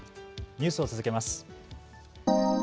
ニュースを続けます。